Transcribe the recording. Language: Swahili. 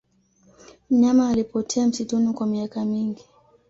mnyama alipotea msituni kwa miaka mingi